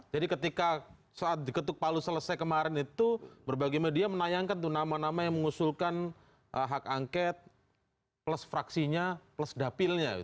jadi ketika ketuk palu selesai kemarin itu berbagai media menayangkan tuh nama nama yang mengusulkan hak angket plus fraksinya plus dapilnya gitu